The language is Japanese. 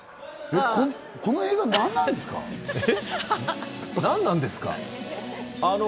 この映画なんなんですか？